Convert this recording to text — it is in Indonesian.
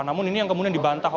namun ini yang kemudian dibantah